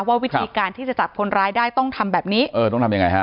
ว่าวิธีการที่จะจับคนร้ายได้ต้องทำแบบนี้เออต้องทำยังไงฮะ